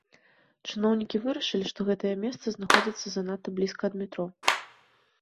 Чыноўнікі вырашылі, што гэтае месца знаходзіцца занадта блізка ад метро.